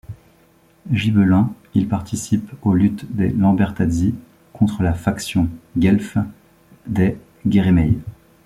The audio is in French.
Gibelin, il participe aux luttes des Lambertazzi, contre la faction guelfe des Geremei.